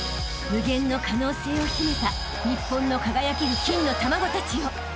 ［無限の可能性を秘めた日本の輝ける金の卵たちよ］